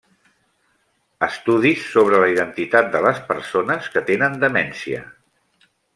Estudis sobre la identitat de les persones que tenen demència.